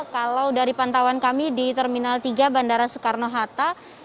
kalau dari pantauan kami di terminal tiga bandara soekarno hatta